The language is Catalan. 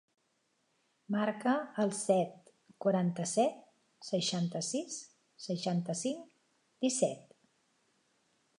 Marca el set, quaranta-set, seixanta-sis, seixanta-cinc, disset.